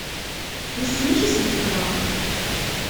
Wissen amek i asen-teḍra?